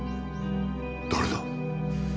誰だ？